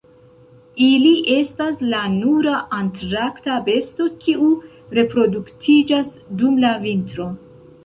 Ili estas la nura antarkta besto kiu reproduktiĝas dum la vintro.